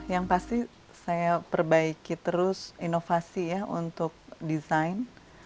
yang pasti saya perbaiki terus inovasi ya untuk desain